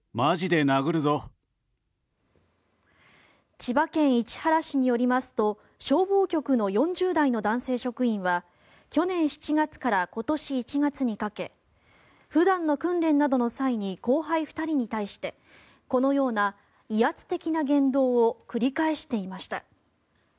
千葉県市原市によりますと消防局の４０代の男性職員は去年７月から今年１月にかけ普段の訓練などの際に後輩２人に対してこのような威圧的な言動を繰り返していました。